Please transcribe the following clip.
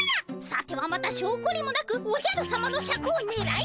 さてはまたしょうこりもなくおじゃるさまのシャクをねらいおるのか！